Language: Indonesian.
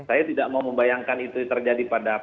saya tidak mau membayangkan itu terjadi pada p tiga